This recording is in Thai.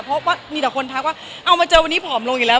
เพราะว่ามีแต่คนทักว่าเอามาเจอวันนี้ผอมลงอยู่แล้ว